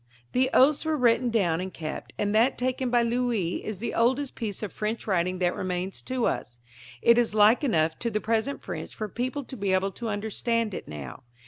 The oaths were written down and kept, and that taken by Louis is the oldest piece of French writing that remains to us. It is like enough to the present French for people to be able to understand it now.